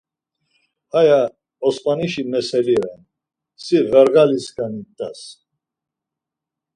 Haya Osmanişi meseli ren, si ğarğali skani t̆az.